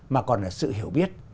mà còn là sự hiểu biết